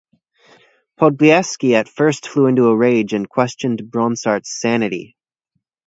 Podbielski at first flew into a rage and questioned Bronsart's sanity.